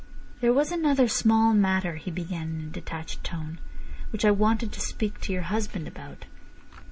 "There was another small matter," he began in a detached tone, "which I wanted to speak to your husband about.